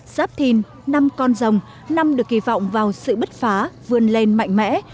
giáp thìn năm con rồng năm được kỳ vọng vào sự bứt phá vươn lên mạnh mẽ